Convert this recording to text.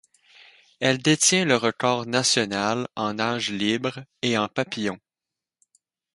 Elle détient le record national en nage libre et en papillon.